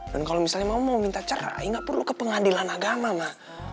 dan kalo misalnya mama mau minta cerai gak perlu ke pengadilan agama ma